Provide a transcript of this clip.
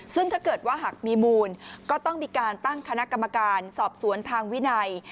ซึ่งถ้าเกิดว่าหากมีมูลก็ต้องมีการตั้งคณะกรรมการสอบสวนทางวินัย